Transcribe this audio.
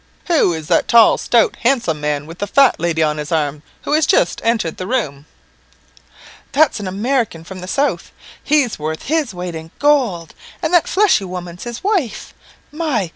"Who is that tall, stout, handsome man, with the fat lady on his arm, who has just entered the room?" "That's an American from the south; he's worth his weight in gold, and that fleshy woman's his wife. My!